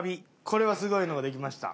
これはすごいのができました。